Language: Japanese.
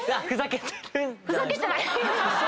ふざけてない！